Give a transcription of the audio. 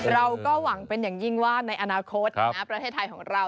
เราก็หวังเป็นอย่างยิ่งว่าในอนาคตประเทศไทยของเรา